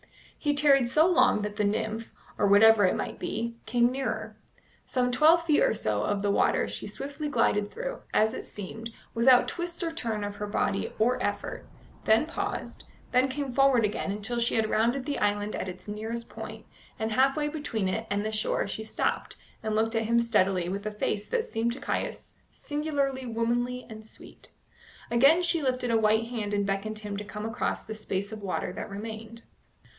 He tarried so long that the nymph, or whatever it might be, came nearer. Some twelve feet or so of the water she swiftly glided through, as it seemed, without twist or turn of her body or effort; then paused; then came forward again, until she had rounded the island at its nearest point, and half way between it and his shore she stopped, and looked at him steadily with a face that seemed to Caius singularly womanly and sweet. Again she lifted a white hand and beckoned him to come across the space of water that remained.